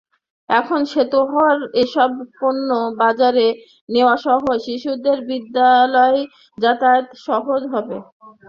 এখন সেতু হওয়ায় এসব পণ্য বাজারে নেওয়াসহ শিশুদের বিদ্যালয় যাতায়াত সহজ হবে।